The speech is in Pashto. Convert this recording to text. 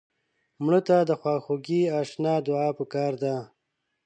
مړه ته د خواخوږۍ اشنا دعا پکار ده